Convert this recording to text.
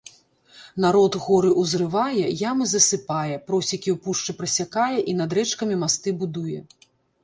Народ горы ўзрывае, ямы засыпае, просекі ў пушчы прасякае і над рэчкамі масты будуе.